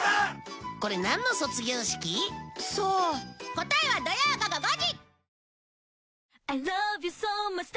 答えは土曜午後５時